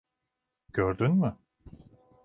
Gördün mü?